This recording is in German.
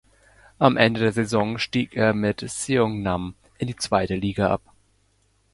Am Ende der Saison stieg er mit Seongnam in die zweite Liga ab.